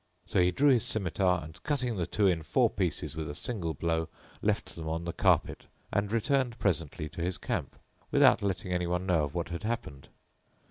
So he drew his scymitar and, cutting the two in four pieces with a single blow, left them on the carpet and returned presently to his camp without letting anyone know of what had happened.